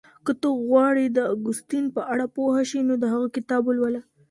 که ته غواړې د اګوستين په اړه پوه شې نو د هغه کتاب ولوله.